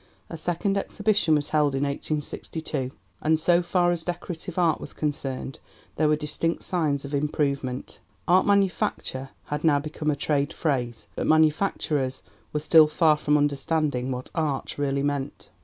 A second Exhibition was held in 1862, and so far as decorative art was concerned there were distinct signs of improvement. 'Art manufacture' had now become a trade phrase, but manufacturers were still far from understanding what 'Art' really meant.